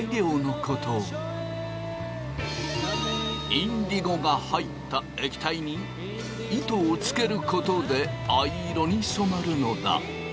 インディゴが入った液体に糸をつけることで藍色に染まるのだ。